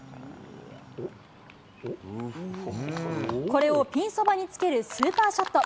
これをピンそばにつけるスーパーショット。